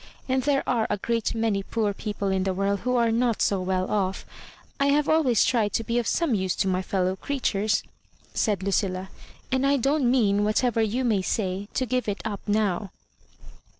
And there are a great many poor peoide in the world who are not so well off. I have always tried to be of some use to my fellow creatures," said Lucilla, "and I don't mean, whatever you may say, to give it up now."